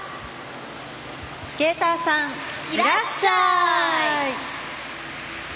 「スケーターさんいらっしゃい」。